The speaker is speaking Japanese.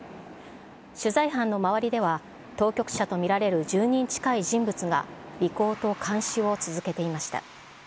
取材班の周りでは、当局者と見られる１０人近い人物が、尾行と監視を続けていました。